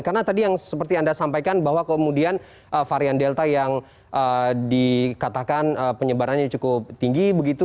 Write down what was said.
karena tadi yang seperti anda sampaikan bahwa kemudian varian delta yang dikatakan penyebarannya cukup tinggi begitu